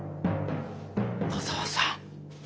田沢さん